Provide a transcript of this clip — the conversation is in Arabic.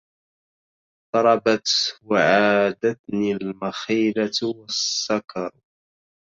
طربت وعادتني المخيلة والسكر